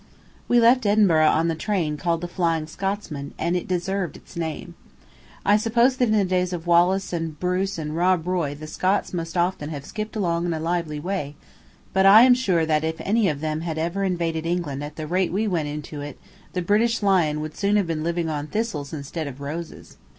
We left Edinburgh on the train called the "Flying Scotsman," and it deserved its name. I suppose that in the days of Wallace and Bruce and Rob Roy the Scots must often have skipped along in a lively way; but I am sure if any of them had ever invaded England at the rate we went into it, the British lion would soon have been living on thistles instead of roses.